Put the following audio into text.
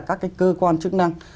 các cái cơ quan chức năng